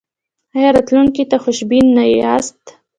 ایا راتلونکي ته خوشبین یاست؟